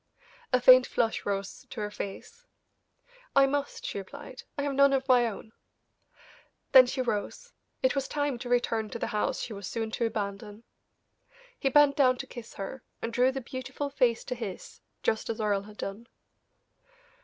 A faint flush rose to her face. "I must," she replied, "I have none of my own." Then she rose; it was time to return to the house she was so soon to abandon. He bent down to kiss her, and drew the beautiful face to his, just as Earle had done.